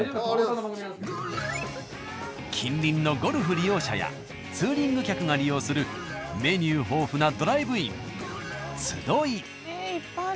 近隣のゴルフ利用者やツーリング客が利用するメニュー豊富ないっぱいある。